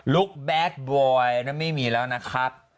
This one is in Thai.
ลูกแบ๊กบอยนะไม่มีแล้วนะครับ